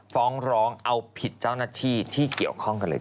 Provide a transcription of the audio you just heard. ฟ้องร้องเอาผิดเจ้าหน้าที่ที่เกี่ยวข้องกันเลย